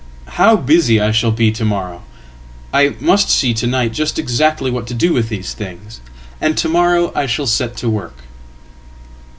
How busy I shall be to morrow! I must see to night justexactly what to do with these things, and to morrow I shall set to work.""